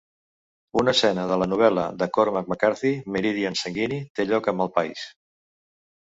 Una escena de la novel·la de Cormac McCarthy "Meridian sanguini" té lloc al Malpais.